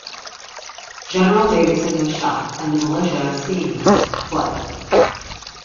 General Davidson was shot, and the militia, seeing this, fled.